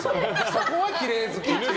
そこはきれい好きと。